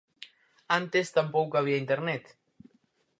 Antes tampouco había Internet.